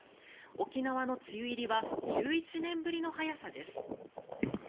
沖縄の梅雨入りは１１年ぶりの早さです。